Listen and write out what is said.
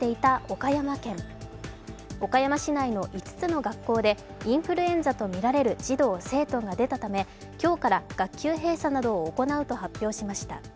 岡山市内の５つの学校でインフルエンザとみられる児童生徒が出たため、今日から学級閉鎖などを行うと発表しました。